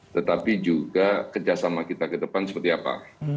tetapi juga kerjasama kita ke depan seperti apa